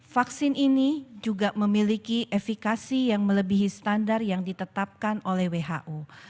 vaksin ini juga memiliki efekasi yang melebihi standar yang ditetapkan oleh who